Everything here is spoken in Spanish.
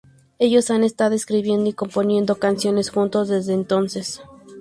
Ellos han estado escribiendo y componiendo canciones, juntos desde entonces.